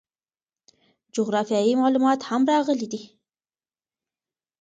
جغرافیوي معلومات هم راغلي دي.